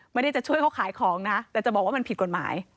ไม่ได้จะช่วยเขาขายของนะแต่จะบอกว่ามันผิดกฎหมาย